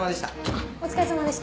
あっお疲れさまでした。